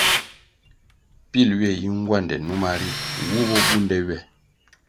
Pil ywe yi ngwande numa ri, wu bo bunde ywe.